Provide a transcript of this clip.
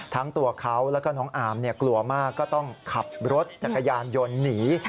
ทั้งตัวเขาแล้วก็น้องอาร์มกลัวมากก็ต้องขับรถจักรยานยนต์หนี